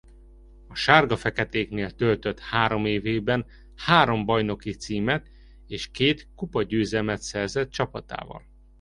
A sárga-feketéknél töltött három évében három bajnoki címet és két kupagyőzelmet szerzett csapatával.